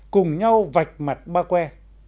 cùng nhau vạch mặt ba que